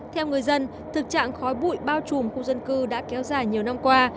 theo người dân thực trạng khói bụi bao trùm khu dân cư đã kéo dài nhiều năm qua